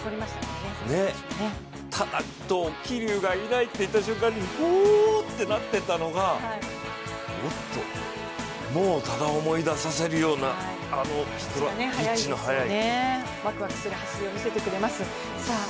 多田、桐生がいないという瞬間におーってなってたのがおっと、もう多田を思い出させるようなあのピッチの速い。ワクワクする走りを見せてくれます。